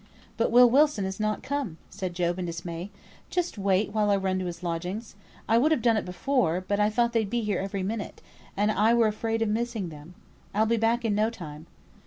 "But Will Wilson is not come," said Job, in dismay. "Just wait while I run to his lodgings. I would have done it before, but I thought they'd be here every minute, and I were afraid of missing them. I'll be back in no time."